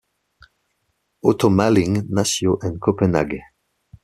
Otto Malling nació en Copenhague.